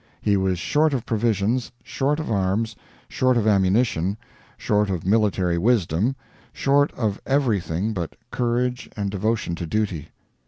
He was short of provisions, short of arms, short of ammunition, short of military wisdom, short of everything but courage and devotion to duty.